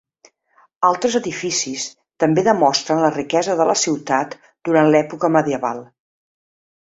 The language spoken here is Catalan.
Altres edificis també demostren la riquesa de la ciutat durant l'època medieval.